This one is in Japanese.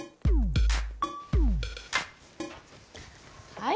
はい。